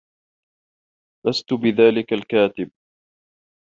لست بذاك الكاتب.